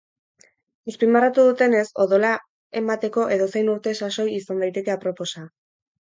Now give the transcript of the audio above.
Azpimarratu dutenez, odola emateko edozein urte sasoi izan daiteke aproposa.